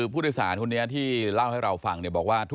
แบบนี้อะไรอย่างเงี้ย